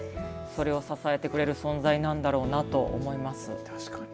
それを支えてくれる存在なんだろうなと思います。